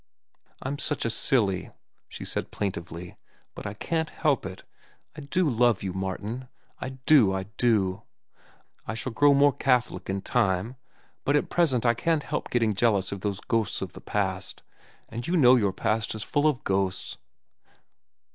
"I'm such a silly," she said plaintively. "But I can't help it. I do so love you, Martin, I do, I do. I shall grow more catholic in time, but at present I can't help being jealous of those ghosts of the past, and you know your past is full of ghosts."